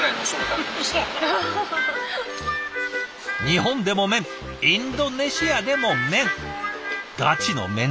日本でも麺インドネシアでも麺。